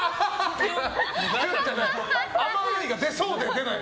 甘い！が出そうで出ない。